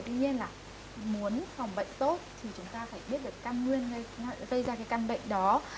tuy nhiên là muốn phòng bệnh tốt thì chúng ta phải biết được căn nguyên gây ra cái căn bệnh đó